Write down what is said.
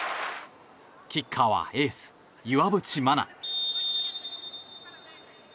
キッカーはエース、岩渕真奈。